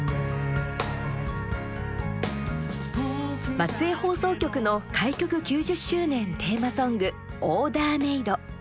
松江放送局の開局９０周年テーマソング「オーダーメイド」。